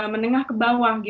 menengah ke bawah